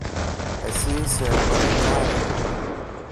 Εσύ είσαι, παλικάρι